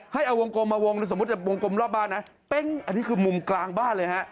ให้เอาวงกลมมาวงในสมมุติวงกลมรอบบ้านนะเป๊งอันนี้คือมุมกลางบ้านเลยฮะ